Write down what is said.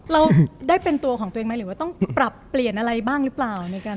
เราได้เป็นตัวของตัวเองไหมหรือว่าต้องปรับเปลี่ยนอะไรบ้างหรือเปล่า